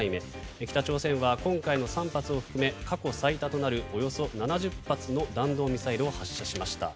北朝鮮は今回の３発を含め過去最多となるおよそ７０発の弾道ミサイルを発射しました。